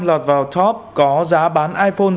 lọt vào top có giá bán iphone